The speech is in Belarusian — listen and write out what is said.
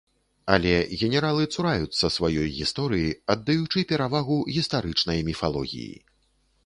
Але генералы цураюцца сваёй гісторыі, аддаючы перавагу гістарычнай міфалогіі.